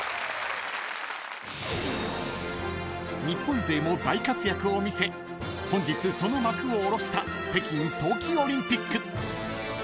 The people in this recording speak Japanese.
［日本勢も大活躍を見せ本日その幕をおろした北京冬季オリンピック］